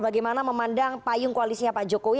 bagaimana memandang payung koalisnya pak jokowi